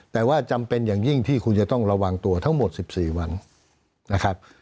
แต่ว่าจำเป็นอย่างยิ่งที่คุณจะต้องระวังตัวทั้งหมด๑๔วันนะครับ